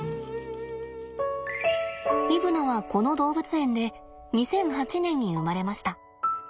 イブナはこの動物園で２００８年に生まれました。